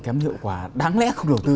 kém hiệu quả đáng lẽ không đầu tư